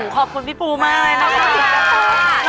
ขอบคุณพี่ปูว์มากเลยนะคะ